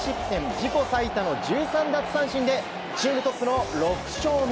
自己最多の１３奪三振でチームトップの６勝目。